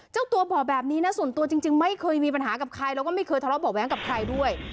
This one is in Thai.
เจ้าตัวบอกแบบนี้นะส่วนตัวจริงไม่เคยมีปัญหากับใครแล้วก็ไม่เคยทะเลาะเบาะแว้งกับใครด้วย